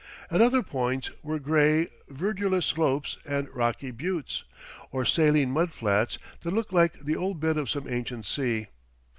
At other points were gray, verdureless slopes and rocky buttes, or saline mud flats that looked like the old bed of some ancient sea.